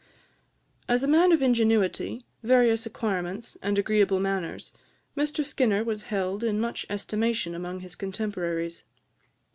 '" As a man of ingenuity, various acquirements, and agreeable manners, Mr Skinner was held in much estimation among his contemporaries.